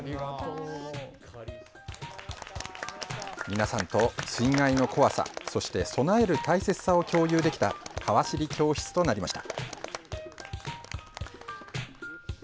皆さんと、水害の怖さそして備える大切さを共有できたかわ知り教室となりました。